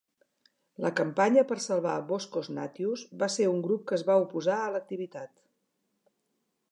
La Campanya per Salvar Boscos Natius va ser un grup que es va oposar a l'activitat.